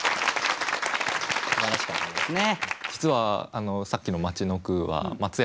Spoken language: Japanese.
素晴らしかったですね。